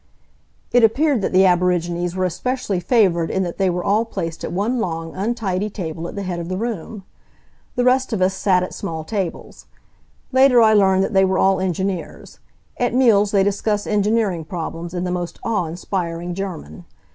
It appeared that the aborigines were especially favored in that they were all placed at one long, untidy table at the head of the room. The rest of us sat at small tables. Later I learned that they were all engineers. At meals they discuss engineering problems in the most awe inspiring German.